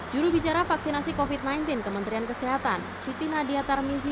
jurubicara vaksinasi covid sembilan belas kementerian kesehatan siti nadia tarmizi